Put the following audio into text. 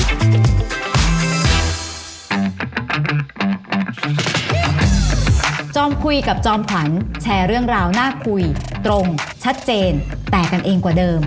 จ้อมคุยกับจอมขวัญแชร์เรื่องราวน่าคุยตรงชัดเจนแตกกันเองกว่าเดิม